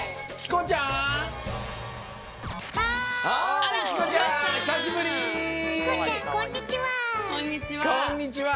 こんにちは。